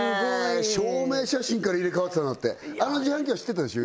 証明写真からスゴい入れ替わってたんだってあの自販機は知ってたでしょ？